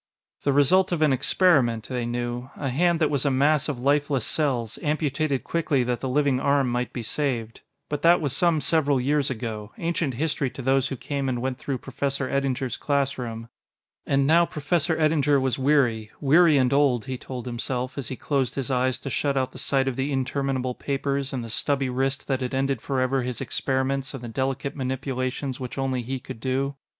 The result of an experiment, they knew a hand that was a mass of lifeless cells, amputated quickly that the living arm might be saved but that was some several years ago, ancient history to those who came and went through Professor Eddinger's class room. And now Professor Eddinger was weary weary and old, he told himself as he closed his eyes to shut out the sight of the interminable papers and the stubby wrist that had ended forever his experiments and the delicate manipulations which only he could do.